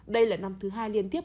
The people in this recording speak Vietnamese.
đây là năm thứ hai liên tiếp